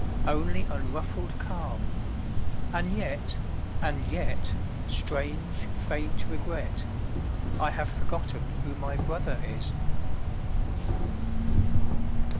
Only unruffled calm; and yet — and yet — Strange, faint regret — I have forgotten who my brother is!